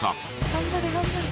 頑張れ頑張れ。